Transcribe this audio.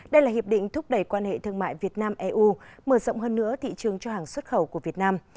đây là hiệp định thúc đẩy quan hệ thương mại việt nam eu mở rộng hơn nữa thị trường cho hàng xuất khẩu của việt nam